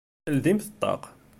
Ldimt ṭṭaq!